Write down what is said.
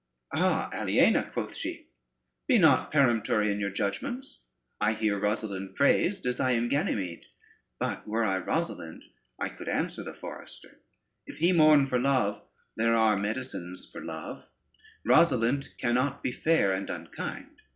"Ah, Aliena," quoth she, "be not peremptory in your judgments. I hear Rosalynde praised as I am Ganymede, but were I Rosalynde, I could answer the forester: if he mourn for love, there are medicines for love: Rosalynde cannot be fair and unkind.